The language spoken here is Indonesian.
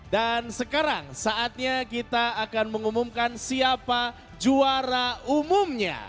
sekarang saatnya kita akan mengumumkan siapa juara umumnya